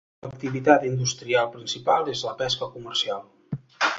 L'activitat industrial principal és la pesca comercial.